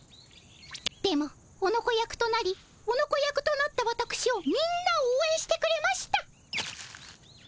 でもオノコ役となりオノコ役となったわたくしをみんなおうえんしてくれました。